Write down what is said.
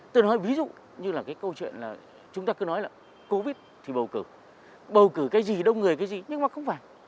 tôi nói ví dụ như là cái câu chuyện là chúng ta cứ nói là covid thì bầu cử bầu cử cái gì đông người cái gì nhưng mà không phải